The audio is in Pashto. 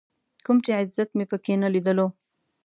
کوم چې عزت مې په کې نه ليدلو.